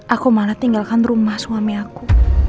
aku malah tinggalkan rumah suami aku